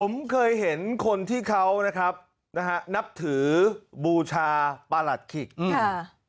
ผมเคยเห็นคนที่เขานะครับนะฮะนับถือบูชาประหลัดขิกค่ะ